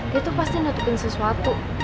dia tuh pasti nutupin sesuatu